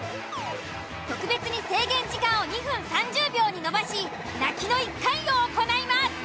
特別に制限時間を２分３０秒に延ばし泣きの１回を行います！